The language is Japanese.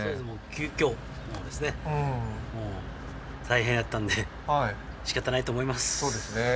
急きょですね、大変やったんでしかたないと思います。